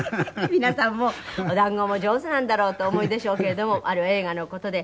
皆さんもお団子も上手なんだろうとお思いでしょうけれどもあれは映画の事で。